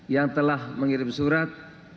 yang telah mengirim surat